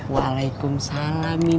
waalaikumsalam mimin teh